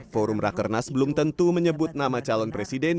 forum rakernas belum tentu menyebut nama calon presiden